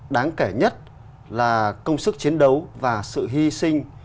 đáng kể nhất là công sức chiến đấu và sự hy sinh